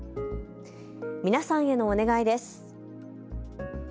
皆さんへのお願いです。